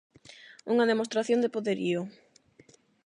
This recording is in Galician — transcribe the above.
Unha demostración de poderío.